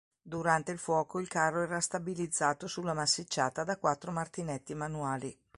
Durante il fuoco, il carro era stabilizzato sulla massicciata da quattro martinetti manuali.